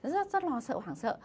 rất rất lo sợ hoảng sợ